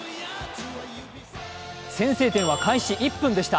先制点は開始１分でした。